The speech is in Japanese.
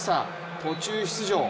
途中出場。